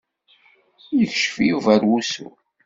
Yekcef Yuba ar wusu.